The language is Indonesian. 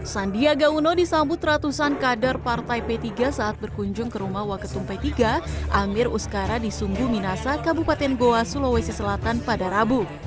sandiaga uno disambut ratusan kader partai p tiga saat berkunjung ke rumah waketum p tiga amir uskara di sumbu minasa kabupaten goa sulawesi selatan pada rabu